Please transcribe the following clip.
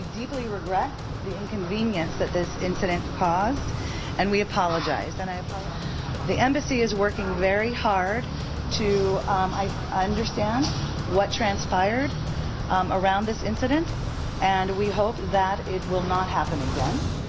dan kami berharap ini tidak akan berlaku lagi